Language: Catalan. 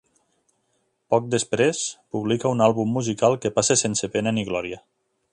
Poc després publica un àlbum musical que passa sense pena ni glòria.